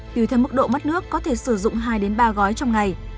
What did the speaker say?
từ thêm mức độ mất nước có thể sử dụng hai ba gói trong ngày